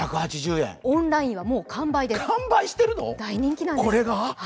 オンラインはもう完売です、大人気なんです。